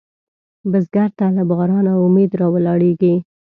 بزګر ته له بارانه امید راولاړېږي